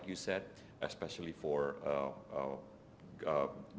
karena seperti anda katakan